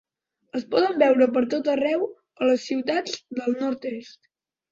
Es poden veure per tot arreu a les ciutats del nord-est.